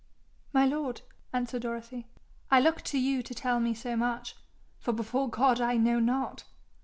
'My lord,' answered Dorothy, 'I look to you to tell me so much, for before God I know not.'